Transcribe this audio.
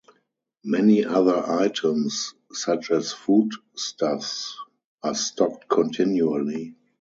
Many other items, such as foodstuffs, are stocked continually.